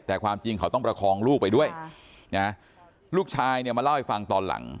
แต่ความจริงเขาต้องประคองลูกไปด้วยนะลูกชายเนี่ยมาเล่าให้ฟังตอนหลัง